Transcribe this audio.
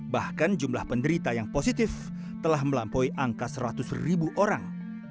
bahkan jumlah penderita yang positif telah melampaui angka seratus ribu orang